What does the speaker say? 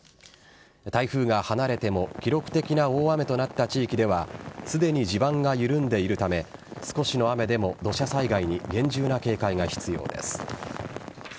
台風が離れても記録的な大雨となった地域ではすでに地盤が緩んでいるため少しの雨でも土砂災害に厳重な警戒が必要です。